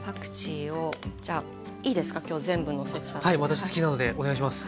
私好きなのでお願いします。